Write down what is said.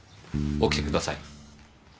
起きてください。